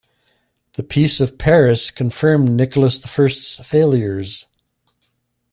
The Peace of Paris confirmed Nicholas the First's failures.